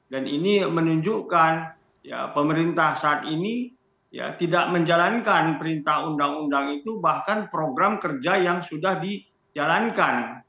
dan ini menunjukkan pemerintah saat ini tidak menjalankan perintah undang undang itu bahkan program kerja yang sudah dijalankan